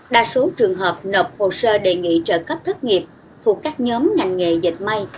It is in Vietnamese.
đa số trường hợp nộp hồ sơ đề nghị trợ cấp thất nghiệp thuộc các nhóm ngành nghề dịch may